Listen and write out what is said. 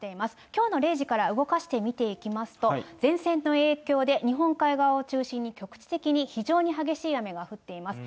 きょうの０時から動かして見ていきますと、前線の影響で、日本海側を中心に、局地的に非常に激しい雨が降っています。